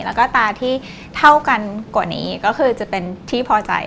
แล้วก็ตาที่เท่ากันกว่านี้ก็คือจะเป็นที่พอใจ